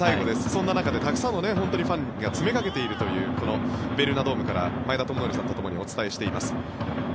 そんな中でたくさんのファンが詰めかけているというこのベルーナドームから前田智徳さんとともにお伝えしています。